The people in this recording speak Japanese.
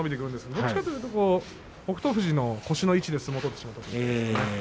どちらかというと北勝富士の腰の位置で相撲を取ってしまっていましたね。